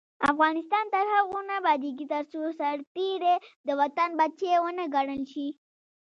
افغانستان تر هغو نه ابادیږي، ترڅو سرتیری د وطن بچی ونه ګڼل شي.